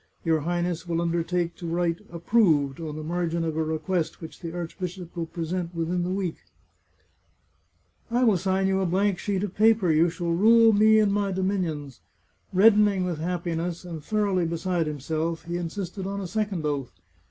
Your Highness will undertake to write ' approved ' on the margin of a request which the archbishop will present within the week ?"" I will sign you a blank sheet of paper ! You shall rule me and my dominions !" Reddening with happiness, and thoroughly beside himself, he insisted on a second oath.